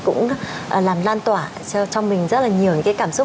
cũng làm lan tỏa cho mình rất là nhiều những cái cảm xúc